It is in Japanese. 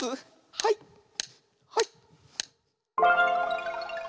はいはい。